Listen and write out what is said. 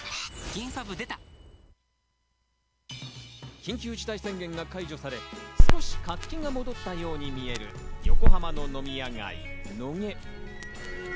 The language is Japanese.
緊急事態宣言が解除され、少し活気が戻ったように見える横浜の飲み屋街・野毛。